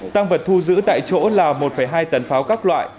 tăng vật thu giữ tại chỗ là một hai tấn pháo các loại